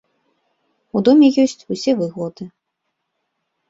У доме ёсць усе выгоды.